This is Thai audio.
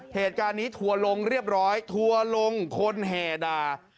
เหตุการณ์นี้ถั่วลงเรียบร้อยถั่วลงคนแห่ดา